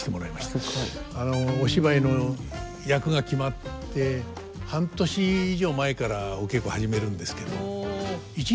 すごい。お芝居の役が決まって半年以上前からお稽古始めるんですけど。